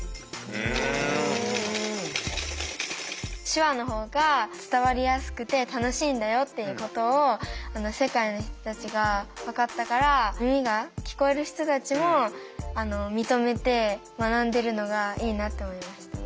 手話の方が伝わりやすくて楽しいんだよっていうことを世界の人たちが分かったから耳が聞こえる人たちも認めて学んでいるのがいいなと思いました。